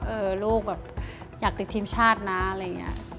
เออลูกแบบอยากติดทีมชาตินะอะไรอย่างนี้